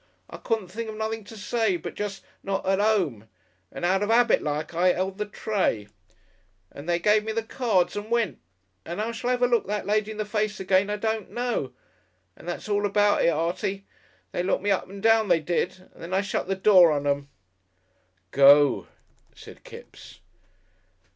I couldn't think of nothing to say but just 'Not at 'Ome,' and out of 'abit like I 'eld the tray. And they give me the cards and went, and 'ow I shall ever look that lady in the face again I don't know.... And that's all about it, Artie! They looked me up and down, they did, and then I shut the door on 'em." "Goo!" said Kipps.